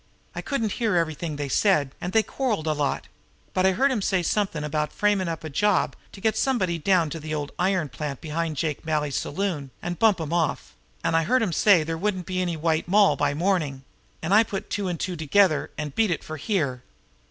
I couldn't hear everything they said, and they quarreled a lot; but I heard him say something about framin' up a job to get somebody down to the old iron plant behind Jake Malley's saloon and bump 'em off, and I heard him say there wouldn't be any White Moll by morning, and I put two and two together and beat it for here."